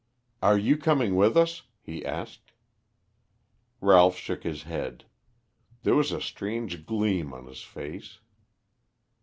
"Are you coming with us?" he asked. Ralph shook his head. There was a strange gleam on his face.